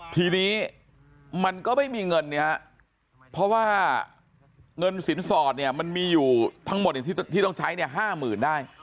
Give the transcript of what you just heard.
ทีนี้มันก็ไม่มีเงินเนี่ยเพราะว่าเงินสินสอดมันมีอยู่ทั้งหมดที่ต้องใช้๕หมื่นได้